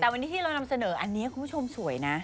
แต่วันนี้ที่เรานำเสนออันนี้คุณผู้ชมสวยนะ